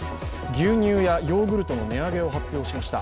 牛乳やヨーグルトの値上げを発表しました。